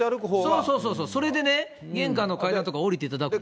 そうそう、それで玄関の階段とか下りていただくと。